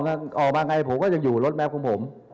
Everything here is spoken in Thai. คือเธอออกมาเงยพวกันอยู่รถแมพันธุ์ของผม